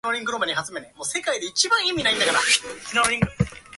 幸せってこういうことなんだね